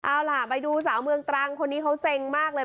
เอาล่ะไปดูสาวเมืองตรังคนนี้เขาเซ็งมากเลย